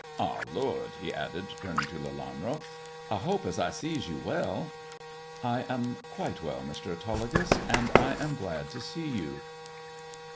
Ah, lord," he added, turning to Lelanro, " I hopes as I sees you well 1 " "I am quite well, Mr. Autolycus, and I am glad to see you."